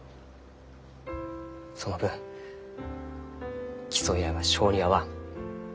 その分競い合いは性に合わん。